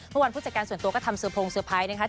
เมื่อวันผู้จัดการส่วนตัวก็ทำเสื้อโพงเซอร์ไพร์นะคะ